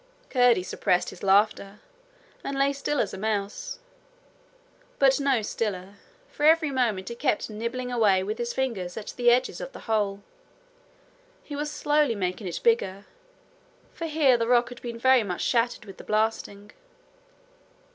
Curdie suppressed his laughter, and lay still as a mouse but no stiller, for every moment he kept nibbling away with his fingers at the edges of the hole. He was slowly making it bigger, for here the rock had been very much shattered with the blasting.